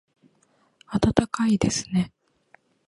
暖かいですね